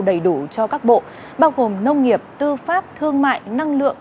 đầy đủ cho các bộ bao gồm nông nghiệp tư pháp thương mại năng lượng